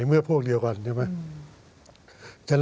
เมื่อพวกเดียวกันใช่ไหม